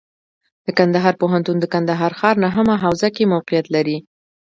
د کندهار پوهنتون د کندهار ښار نهمه حوزه کې موقعیت لري.